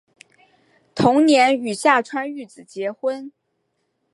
同年与下川玉子结婚。